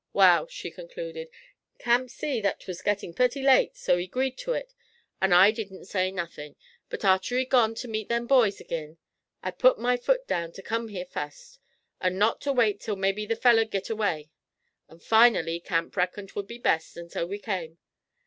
'Wal,' she concluded, 'Camp see that 'twas gittin' purty late, so he 'greed to it; an' I didn't say nothin', but arter he'd gone ter meet them boys ag'in I put my foot down ter come here fust, an' not to wait till mebbe the feller'd git away, and finally Camp reckoned 'twould be best, and so we came.